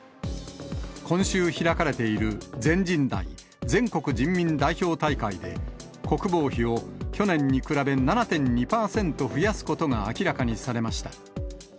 今週開かれている全人代・全国人民代表大会で、国防費を去年に比べ７．２％増やすことが明らかにされました。